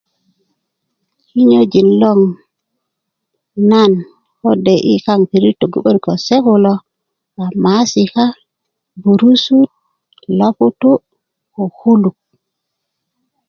kinyojin loŋ nan kode' yi kaaŋ pirit töggu 'börik ko se kulo a maasika burudut loputu' ko kuluk